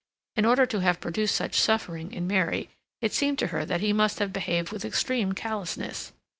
In order to have produced such suffering in Mary, it seemed to her that he must have behaved with extreme callousness.